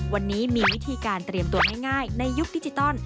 วันนี้มีวิธีการเตรียมตัวง่ายในยุคดิจิตอล